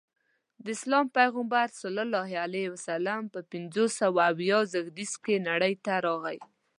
د اسلام پیغمبر ص په پنځه سوه اویا زیږدیز کې نړۍ ته راغی.